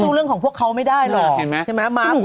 สวัสดีค่ะข้าวใส่ไข่สดใหม่เยอะสวัสดีค่ะ